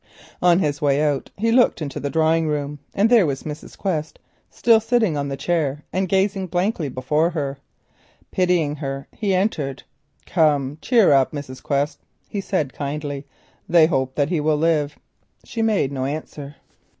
On his way out he looked into the drawing room and there was Mrs. Quest, still sitting on the chair and gazing blankly before her. Pitying her he entered. "Come, cheer up, Mrs. Quest," he said kindly, "they hope that he will live." She made no answer.